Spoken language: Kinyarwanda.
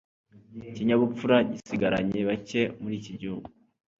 ikinyabupfura gisigaranye bake muri iki gihugu.